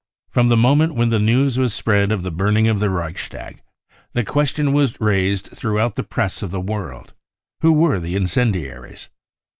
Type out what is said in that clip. From the moment when the news was spread of the burning of the Reichstag the question was raised throughout the press of the world ; Who were the incendiaries